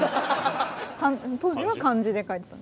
当時は漢字で書いてた。